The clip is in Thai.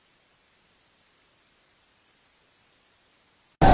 เมื่อเวลาอันดับสุดท้ายมันกลายเป็นภูมิที่สุดท้าย